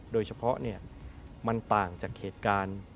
โดยเฉพาะมันต่างจากเหตุการณ์